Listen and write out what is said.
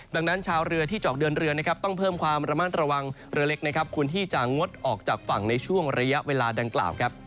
ดังนั้นชาวเรือที่จะออกเดินเรือนะครับต้องเพิ่มความระมัดระวังเรือเล็กนะครับควรที่จะงดออกจากฝั่งในช่วงระยะเวลาดังกล่าวครับ